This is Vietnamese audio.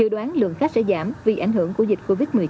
tổng tổng ch